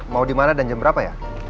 mau di mana dan jam berapa ya